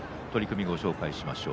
明日の取組をご紹介しましょう。